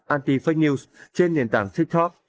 anti fake news trên nền tảng tiktok